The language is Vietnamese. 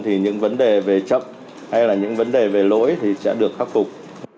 thì những vấn đề về chậm hay là những vấn đề về lỗi thì sẽ được khắc phục